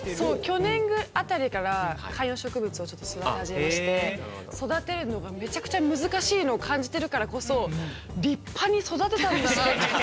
去年あたりから観葉植物をちょっと育て始めまして育てるのがめちゃくちゃ難しいのを感じてるからこそ立派に育てたんだなって。